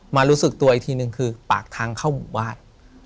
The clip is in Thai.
รู้สึกตัวอีกทีนึงคือปากทางเข้าหมู่บ้าน